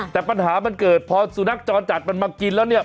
แต่ปัญหามันเกิดพอสุนัขจรจัดมันมากินแล้วเนี่ย